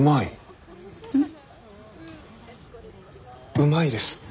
うまいです。